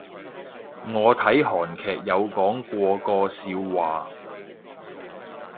我睇韓劇有講過個笑話